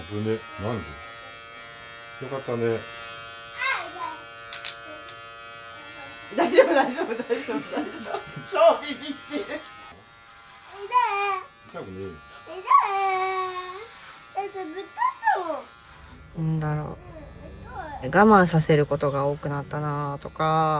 何だろう我慢させることが多くなったなとか。